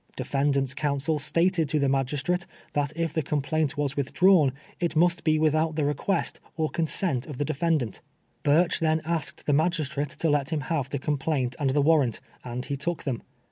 Defendant's counsel stated to the magistrate that if the complaint was withdrawn, it must be without the request or consent of the defendant. Burch then asked the magistrate to let him have the complaint and the warrant, and he took them.